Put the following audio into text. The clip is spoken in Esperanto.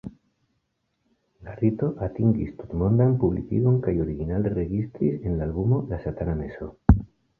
La rito atingis tutmondan publikigon kaj originale registris en la albumo La Satana Meso.